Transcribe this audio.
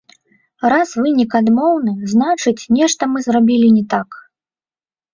Раз вынік адмоўны, значыць, нешта мы зрабілі не так.